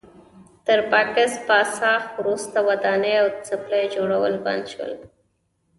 تر یاکس پاساج وروسته ودانۍ او څلي جوړول بند شول.